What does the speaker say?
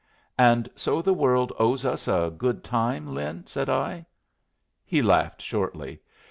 "And so the world owes us a good time, Lin?" said I. He laughed shortly.